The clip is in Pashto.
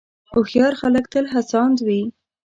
هوښیار خلک تل هڅاند وي.